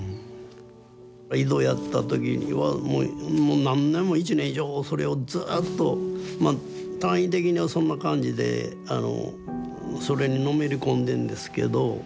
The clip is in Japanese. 井戸やった時にはもう何年も１年以上それをずっとまあ単位的にはそんな感じでそれにのめり込んでんですけど。